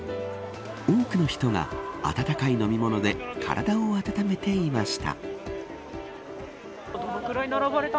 多くの人が温かい飲み物で体を温めていました。